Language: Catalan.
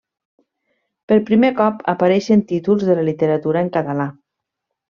Per primer cop apareixen títols de la literatura en català.